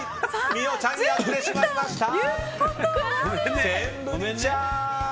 美桜ちゃん、やってしまいました。